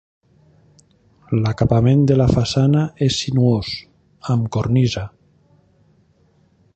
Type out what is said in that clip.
L'acabament de la façana és sinuós, amb cornisa.